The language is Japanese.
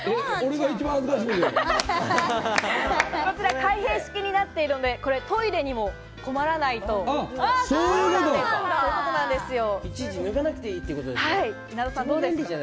開閉式になっているので、トイレにも困らないということです。